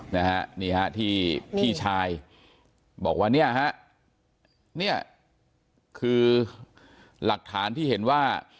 นะฮะนี่ฮะที่พี่ชายบอกว่าเนี่ยฮะเนี่ยคือหลักฐานที่เห็นว่า